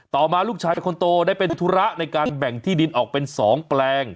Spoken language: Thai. ต่อมาลูกชายคนโตได้เป็นธุระในการแบ่งที่ดินออกเป็น๒แปลง